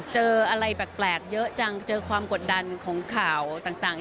เจออะไรแปลกเยอะจังเจอความกดดันของข่าวต่าง